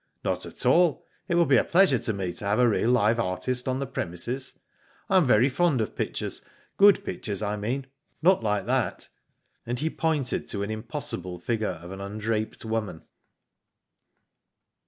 *' Not at all. It will be a pleasure to me to have a real live artist on the premises. I am very fond of pictures — good pictures I mean — not like that," and he pointed to an impossib e figure of an undraped woman.